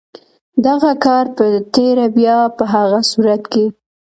دغه کار په تېره بیا په هغه صورت کې.